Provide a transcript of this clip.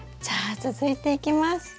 じゃあ続いていきます。